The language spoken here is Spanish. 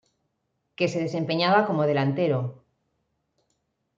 Que se desempeñaba como delantero.